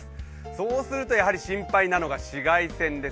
そうするとやはり心配なのは紫外線です。